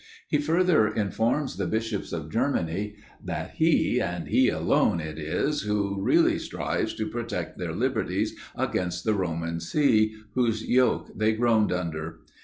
He further informs the bishops of Germany, that he, and he alone, it is who really strives to protect their liberties against the Roman See, whose yoke they groaned under.